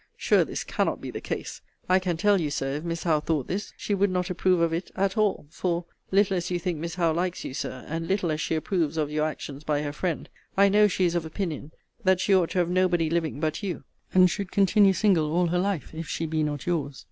Sure this cannot be the case! I can tell you, Sir, if Miss Howe thought this, she would not approve of it at all: for, little as you think Miss Howe likes you, Sir, and little as she approves of your actions by her friend, I know she is of opinion that she ought to have nobody living but you: and should continue single all her life, if she be not your's.